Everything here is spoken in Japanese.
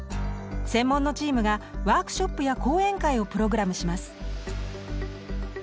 専門のチームがワークショップや講演会をプログラムします。